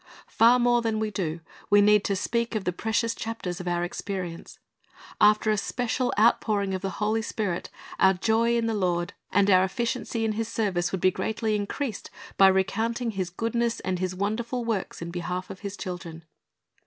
Far more than we do, we need to speak of the precious chapters in our experience. After a special outpouring of the Holy Spirit, our joy in the Lord and our IPs. 67:2 2isa.43:i2 300 Christ's Object Lessons efficiency in His service would be greatly increased by recounting His goodness and His wonderful works in behalf of His children.